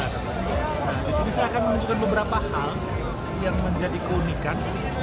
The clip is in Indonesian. nah disini saya akan menunjukkan beberapa hal yang menjadi keunikan